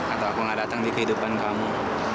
atau aku gak datang di kehidupan kamu